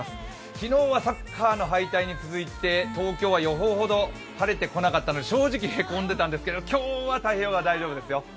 昨日はサッカーの敗退に続いて東京は予報ほど晴れてこなかったので正直、へこんでたんですけど、今日は太平洋側大丈夫ですよ。